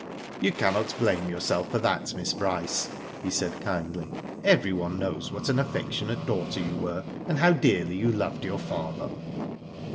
"You cannot blame yourself for that, Miss Bryce," he said, kindly. " Everyone knows what an affectionate daughter you were, and how dearly you loved your father."